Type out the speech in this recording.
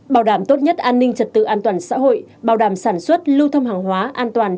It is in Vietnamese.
bảo đảm tốt nhất an ninh trật tự an toàn xã hội bảo đảm sản xuất lưu thông hàng hóa an toàn